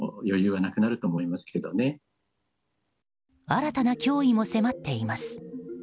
新たな脅威も迫っています。